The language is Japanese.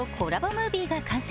ムービーが完成。